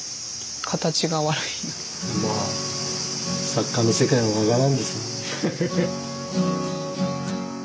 作家の世界は分からんです。